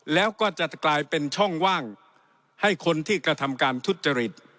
แล้วก็จะกลายเป็นช่องว่างให้คนที่กระทำการทุจริต